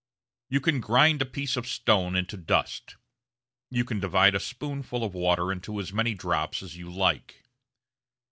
You can grind a piece of stone into dust. You can divide a spoonful of water into as many drops as you like.